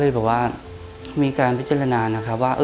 เราก็เลยบอกว่ามีการพิจารณาว่า